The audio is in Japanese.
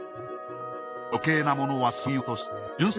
余計なものはそぎ落とし